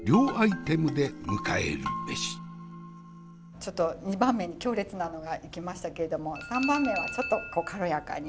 ちょっと２番目に強烈なのがいきましたけれども３番目はちょっと軽やかに。